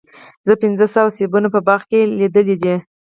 زه پنځه سیبونه په باغ کې لیدلي دي.